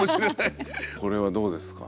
これはどうですか？